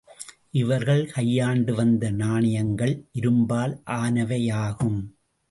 இவர்கள் கையாண்டுவந்த நாணயங்கள் இரும்பால் ஆனவையாகும்.